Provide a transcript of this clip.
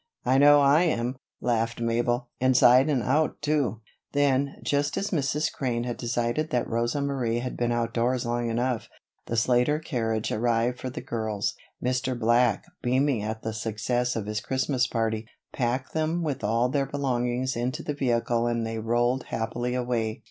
"I know I am," laughed Mabel. "Inside and out, too." Then, just as Mrs. Crane had decided that Rosa Marie had been outdoors long enough, the Slater carriage arrived for the girls. Mr. Black, beaming at the success of his Christmas party, packed them with all their belongings into the vehicle and they rolled happily away.